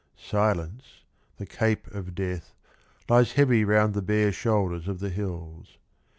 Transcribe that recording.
Silence, the cape of Death, lies heavy Round the bare shoulders of the hills.